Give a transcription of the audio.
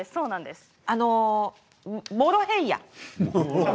モロヘイヤ。